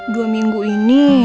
dua minggu ini